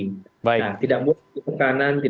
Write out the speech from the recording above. nah tidak boleh ke kanan tidak boleh ke kiri di luar dari itu